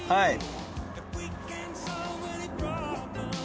はい。